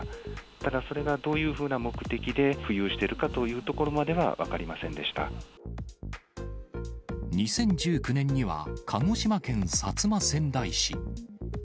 ただ、それがどういうふうな目的で浮遊しているかというところまでは分２０１９年には、鹿児島県薩摩川内市。